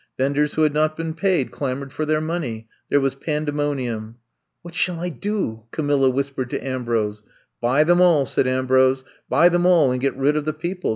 Venders who had not been paid clamored for their money. There was pandemonium. *'What shall I do?" Camilla whispered to Ambrose. Buy them all,*^ said Ambrose. Buy them all and get rid of the people.